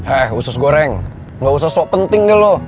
eh usus goreng gak usah sok penting deh lo